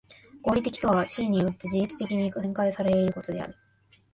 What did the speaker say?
合理的とは思惟によって自律的に展開され得ることである。